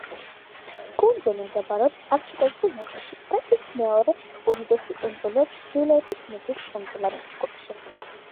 კუნძული მდებარეობს არქტიკულ ნაწილში და ის მეორე უდიდესი კუნძულია ჩრდილოეთის მიწის კუნძულების ჯგუფში.